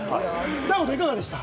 武田さん、いかがでした？